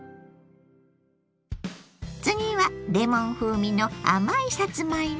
次はレモン風味の甘いさつまいも。